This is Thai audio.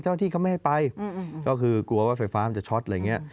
เจ้าหน้าที่เขาไม่ให้ไปก็คือกลัวว่าไฟฟ้าจะช็อตอะไรอย่างนี้